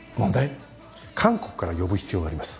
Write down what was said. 韓国から呼ぶ必要があります。